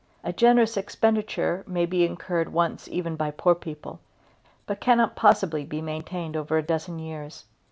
A generous expenditure may be incurred once even by poor people, but cannot possibly be maintained over a dozen years.